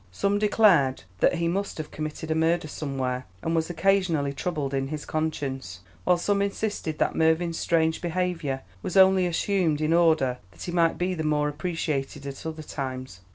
Some declared that he must have committed a murder somewhere, and was occasionally troubled in his conscience; while some insisted that Mervyn's strange behaviour was only assumed in order that he might be the more appreciated at other times.